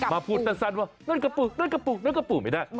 มาพูดตังสันว่านวดกับปู่นวดกับปู่นวดกับปู่ไม่ได้